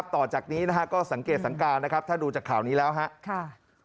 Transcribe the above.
ต่อจากนี้นะฮะก็สังเกตสังการนะครับถ้าดูจากข่าวนี้แล้วครับ